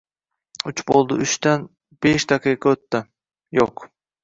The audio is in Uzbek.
Uch boʻldi, uchdan oʻn besh daqiqa oʻtdi – yoʻq.